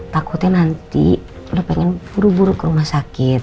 takutnya nanti udah pengen buru buru ke rumah sakit